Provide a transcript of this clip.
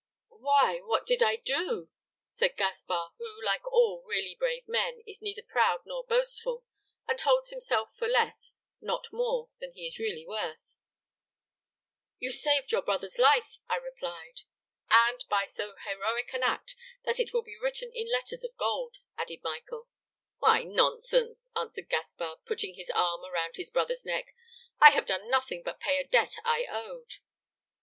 '" "'Why, what did I do?' said Gaspar, who like all really brave men is neither proud nor boastful, and holds himself for less, not more than he is really worth. "'You saved your brother's life,' I replied. "'And by so heroic an act that it will be written in letters of gold,' added Michael. "'Why, nonsense," answered Gaspar, putting his arm around his brother's neck; 'I have done nothing but pay a debt I owed.'